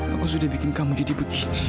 apa sudah bikin kamu jadi begini